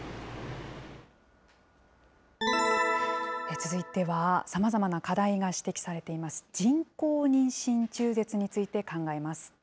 続いては、さまざまな課題が指摘されています、人工妊娠中絶について考えます。